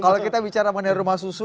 kalau kita bicara mengenai rumah susu